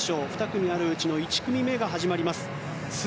２組あるうちの１組目が始まります。